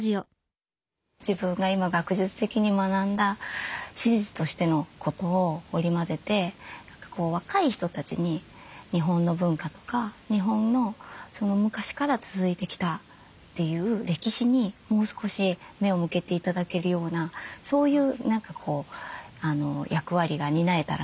自分が今学術的に学んだ史実としてのことを織り交ぜて若い人たちに日本の文化とか日本の昔から続いてきたという歴史にもう少し目を向けて頂けるようなそういう役割が担えたらなというふうに。